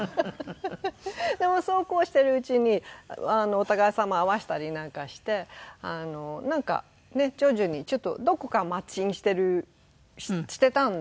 でもそうこうしてるうちにお互いさま合わせたりなんかしてなんか徐々にちょっとどこかマッチングしてるしてたんですよねきっと。